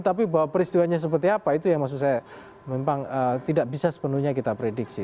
tapi bahwa peristiwanya seperti apa itu yang maksud saya memang tidak bisa sepenuhnya kita prediksi